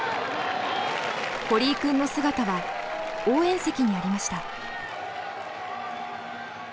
堀井君の姿は応援席にありました。